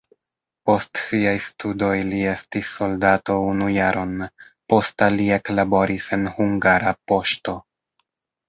Post siaj studoj li estis soldato unu jaron, posta li eklaboris en Hungara Poŝto.